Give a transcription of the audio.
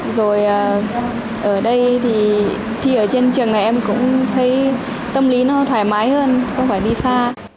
rồi ở đây thì thi ở trên trường này em cũng thấy tâm lý nó thoải mái hơn không phải đi xa